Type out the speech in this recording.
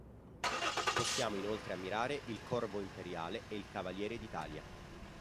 Possiamo inoltre ammirare il corvo imperiale e il cavaliere d'Italia.